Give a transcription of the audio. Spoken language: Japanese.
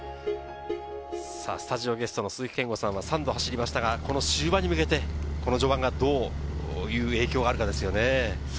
スタジオゲストの鈴木さん、３度走りましたが、中盤に向けて序盤がどういう影響があるかですよね。